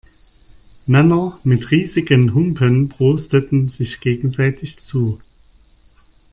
Männer mit riesigen Humpen prosteten sich gegenseitig zu.